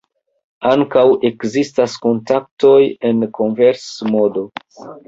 Ankaŭ ekzistas kontaktoj en konvers-modo.